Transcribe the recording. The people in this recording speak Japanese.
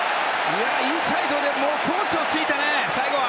インサイドでコースを突いたね、最後は。